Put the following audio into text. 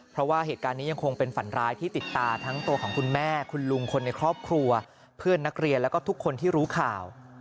เพราะว่าเหตุการณ์นี้ยังคงเป็นฝันร้ายที่ติดตาทั้งตัวของคุณแม่คุณลุงคนในครอบครัวเพื่อนนักเรียนแล้วก็ทุกคนที่รู้ข่าว